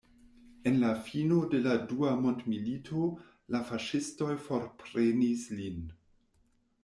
En la fino de la dua mondmilito la faŝistoj forprenis lin.